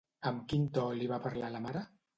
Amb quin to li va parlar la mare?